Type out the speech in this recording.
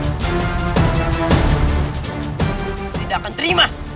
aku tidak akan terima